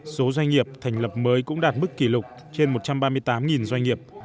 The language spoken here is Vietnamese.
số doanh nghiệp thành lập mới cũng đạt mức kỷ lục trên một trăm ba mươi tám doanh nghiệp